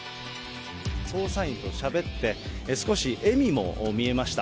捜査員としゃべって、少し笑みも見えました。